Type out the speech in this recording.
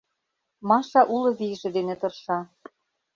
Маша уло вийже дене тырша.